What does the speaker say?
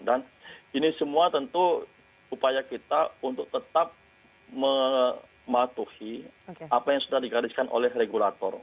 dan ini semua tentu upaya kita untuk tetap mematuhi apa yang sudah digariskan oleh regulator